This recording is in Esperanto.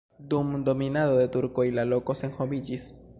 Dum dominado de turkoj la loko senhomiĝis.